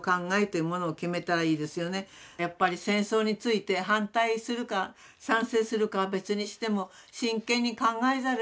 やっぱり戦争について反対するか賛成するかは別にしても真剣に考えざるをえないと思う。